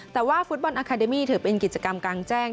แต่ว่าฟุตบอลอาคาเดมี่ถือเป็นกิจกรรมกลางแจ้ง